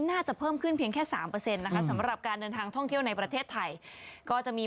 ไม่เป็นไรหรอกกลับแล้งแล้วอธิบายได้